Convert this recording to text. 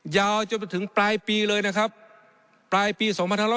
ยาวจนไปถึงปลายปีเลยนะครับปลายปี๒๕๖๐